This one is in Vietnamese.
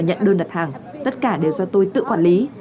nhận đơn đặt hàng tất cả đều do tôi tự quản lý